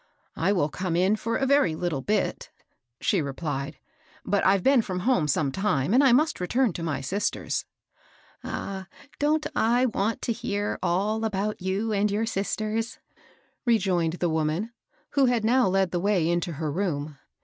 I will come in for a very little bit," she re plied ;^^ but I've been from home some time, and must return to my sisters." ^^ Ah ! don't I want to hear all about you and your sisters ?" rejoined the woman, who had now led the way into her room.